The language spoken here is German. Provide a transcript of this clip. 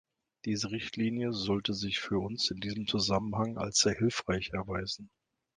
Diese Richtlinie sollte sich für uns in diesem Zusammenhang als sehr hilfreich erweisen.